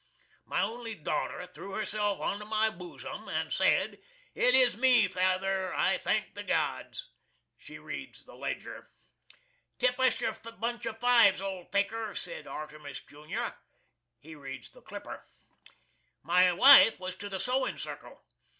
My only daughter threw herself onto my boosum, and said, "It is me fayther! I thank the gods!" She reads the "Ledger." "Tip us yer bunch of fives, old faker!" said ARTEMUS, Jr. He reads the "Clipper." My wife was to the sowin' circle.